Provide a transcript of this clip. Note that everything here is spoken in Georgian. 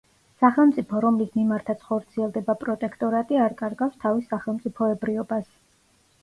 სახელმწიფო, რომლის მიმართაც ხორციელდება პროტექტორატი, არ კარგავს თავის სახელმწიფოებრიობას.